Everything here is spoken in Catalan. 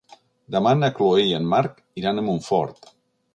Demà na Chloé i en Marc iran a Montfort.